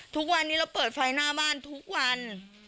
ทุกวันนี้เราเปิดไฟหน้าบ้านทุกวัน